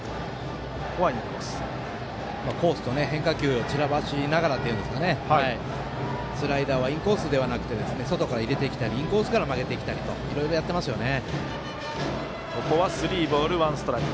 コースと変化球を散らばしながらスライダーはインコースではなくて外から入れてきたりインコースから曲げてきたりといろいろ、やってますね。